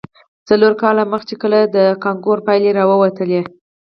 څلور کاله مخې، چې کله د کانکور پايلې راوتې.